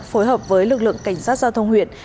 phối hợp với lực lượng cảnh sát giao thông huyện